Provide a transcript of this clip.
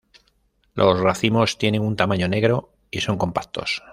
Los racimos tienen un tamaño negro y son compactos.